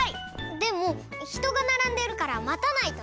でもひとがならんでるからまたないとね。